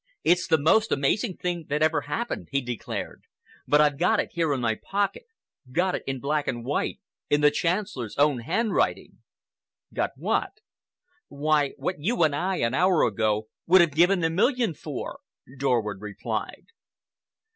"It's the most amazing thing that ever happened," he declared, "but I've got it here in my pocket, got it in black and white, in the Chancellor's own handwriting." "Got what?" "Why, what you and I, an hour ago, would have given a million for," Dorward replied.